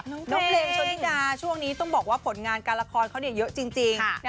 น้องเพลงชนธิดาช่วงนี้ต้องบอกว่าผลงานการละครเขาเยอะจริง